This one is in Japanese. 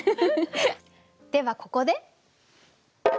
ではここで。